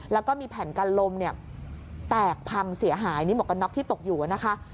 แล้วก็มีแผ่นกันลมเนี่ยแตกพังเสียหายนี่หมวกกันน็อกที่ตกอยู่นะคะ